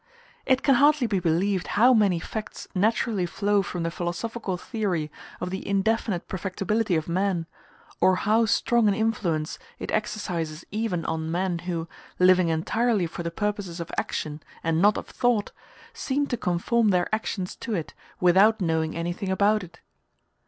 It can hardly be believed how many facts naturally flow from the philosophical theory of the indefinite perfectibility of man, or how strong an influence it exercises even on men who, living entirely for the purposes of action and not of thought, seem to conform their actions to it, without knowing anything about it.